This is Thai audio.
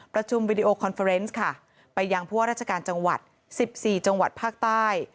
ประชุมวิดีโอคอนเฟอร์เฟอร์เนสไปยังพวกราชการจังหวัด๑๔จังหวัดภาคใต้